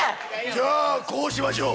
じゃあ、こうしましょう。